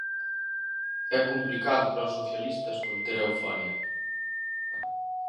É complicado para os socialistas conter a euforia.